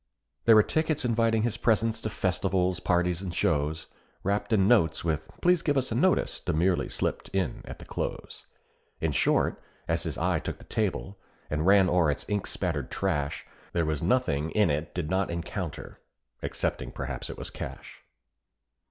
There were tickets inviting his presence to festivals, parties, and shows, Wrapped in notes with "Please give us a notice" demurely slipped in at the close; In short, as his eye took the table, and ran o'er its ink spattered trash, There was nothing it did not encounter, excepting perhaps it was cash.